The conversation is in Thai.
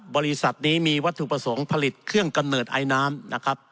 บริษัทนี้มีวัตถุประสงค์ผลิตเครื่องกำเนิดไอน้ำนะครับ